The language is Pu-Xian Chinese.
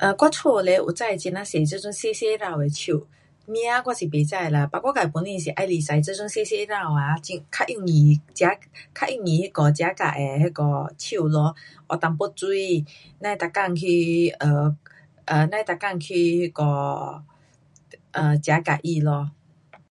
um 我家嘞有种很呀多这种小小棵的树,名我是不知道啦，but 我自本身是喜欢种这种小小棵啊，很，较容易 ja，较容易的 jaga 树咯，浇一点水，甭每天去 um 甭每天去那个 [um]jaga 它咯。